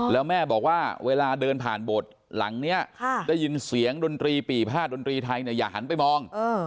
แล้วแม่บอกว่าเวลาเดินผ่านโบสถ์หลังนี้ได้ยินเสียงดนตรีปีภาษดนตรีไทยเนี่ยอย่าหันไปมอง